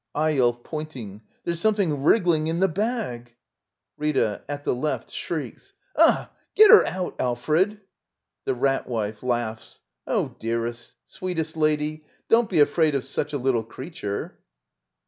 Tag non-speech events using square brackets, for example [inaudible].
Eyolf. [Pointing.] There's something wrig gling in the bag! Rita. [At the left, shrieks.] Ugh! Get her out, Alfred! The Rat Wife. [laughs] Oh, dearest, sweetest lady, don't be afraid of such a little crea ture!